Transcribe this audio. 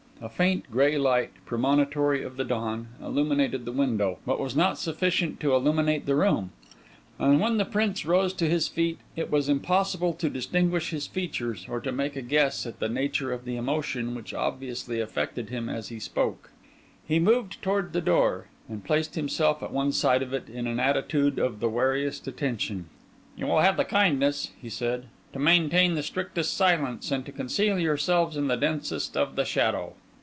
A faint, grey light, premonitory of the dawn, illuminated the window, but was not sufficient to illuminate the room; and when the Prince rose to his feet, it was impossible to distinguish his features or to make a guess at the nature of the emotion which obviously affected him as he spoke. He moved towards the door, and placed himself at one side of it in an attitude of the wariest attention. "You will have the kindness," he said, "to maintain the strictest silence, and to conceal yourselves in the densest of the shadow."